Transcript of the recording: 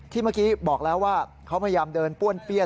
เมื่อกี้บอกแล้วว่าเขาพยายามเดินป้วนเปี้ยน